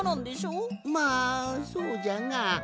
まあそうじゃが。